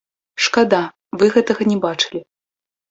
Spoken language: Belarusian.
Шкада, вы гэтага не бачылі.